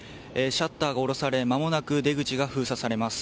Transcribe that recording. シャッターが下ろされまもなく出口が封鎖されます。